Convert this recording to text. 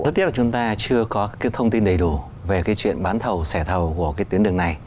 rất tiếc là chúng ta chưa có thông tin đầy đủ về chuyện bán thầu sẻ thầu của tuyến đường này